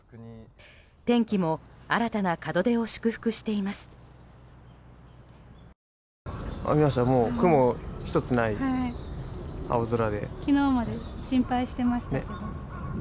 天気も新たな門出を祝福しています。